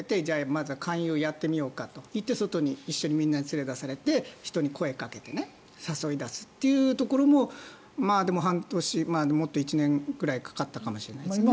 まずは勧誘をやってみようかといって外に連れ出されて人に声をかけて誘い出すというのも半年、もっと１年ぐらいかかったかもしれないですね。